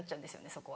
そこは。